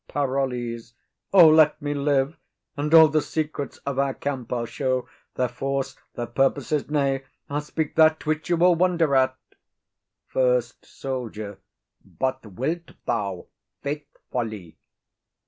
PAROLLES. O, let me live, And all the secrets of our camp I'll show, Their force, their purposes; nay, I'll speak that Which you will wonder at. FIRST SOLDIER. But wilt thou faithfully?